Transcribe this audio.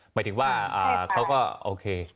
หมายถึงว่าเขาก็โอเค